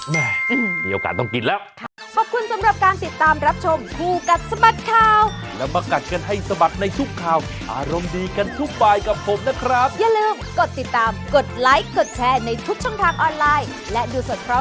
มีโอกาสต้องกินแล้ว